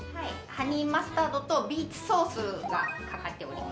ハニーマスタードとビーツソースがかかっております。